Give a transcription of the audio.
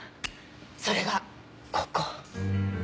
それがここ。